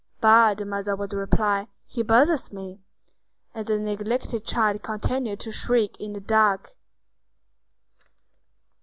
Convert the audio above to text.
"Bah!" the mother would reply, "he bothers me." And the neglected child continued to shriek in the dark.